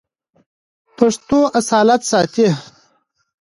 پښتو اصالت ساتي.